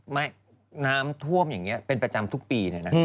ไม่น้ำท่วมอย่างนี้เป็นประจำทุกปีเลยนะ